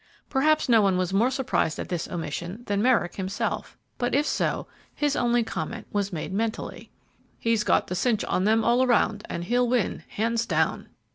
Perhaps no one was more surprised at this omission than Merrick himself but if so, his only comment was made mentally. "He's got the cinch on them all around, and he'll win, hands down!"